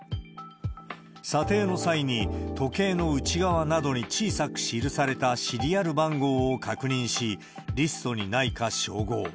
査定の際に時計の内側などに小さく記されたシリアル番号を確認し、リストにないか照合。